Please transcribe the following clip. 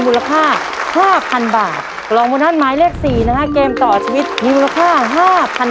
มูลค่าห้าพันบาทกรองโบนัสหมายเลขสี่นะฮะเกมต่อชีวิตมีมูลค่าห้าพัน